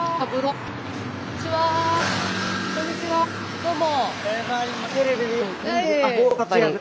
どうも。